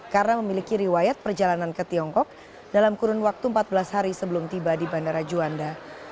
karena memiliki riwayat perjalanan ke tiongkok dalam kurun waktu empat belas hari sebelum tiba di bandara juanda